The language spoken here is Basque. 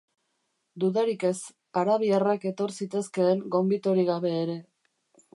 Dudarik ez, arabiarrak etor zitezkeen gonbit hori gabe ere.